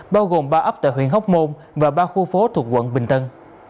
bao gồm ba ấp tại huyện hóc môn và ba khu phố thuộc quận bình tân